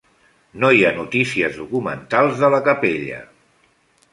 No hi ha notícies documentals de la capella.